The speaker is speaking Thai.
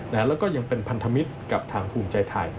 แล้วก็ยังเป็นพันธมิตรกับทางภูมิใจไทย